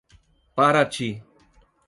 Paraty